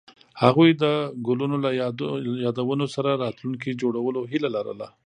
هغوی د ګلونه له یادونو سره راتلونکی جوړولو هیله لرله.